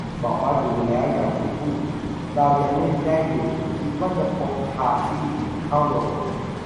บอกว่า ดูแล้วอยากกินกุ้ง ! เรายังไม่ได้ดู - คิดว่าจะพกคาลบี้เข้าโรง